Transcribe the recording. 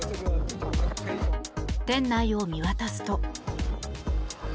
店内を見渡すと。